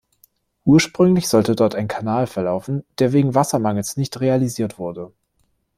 Ursprünglich sollte dort ein Kanal verlaufen, der wegen Wassermangels nicht realisiert wurde.